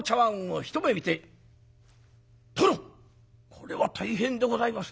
これは大変でございます。